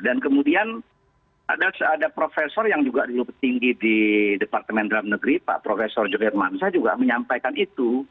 dan kemudian ada profesor yang juga di lupa tinggi di departemen dalam negeri pak profesor jokir mansah juga menyampaikan itu